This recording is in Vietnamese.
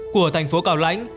của thành phố cào lãnh